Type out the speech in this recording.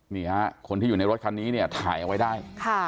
นี่ฮะคนที่อยู่ในรถคันนี้เนี่ยถ่ายเอาไว้ได้